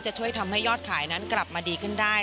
ช่วยทำให้ยอดขายนั้นกลับมาดีขึ้นได้